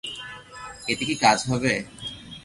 এতে কি কাজ হবে?